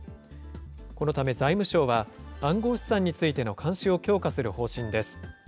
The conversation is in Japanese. このため財務省は、暗号資産についての監視を強化する方針です。